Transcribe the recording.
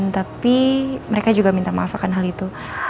tapi mereka juga meminta maaf tentang hal itu